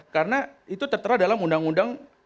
karena itu tertera dalam undang undang